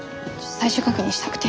最終確認したくて。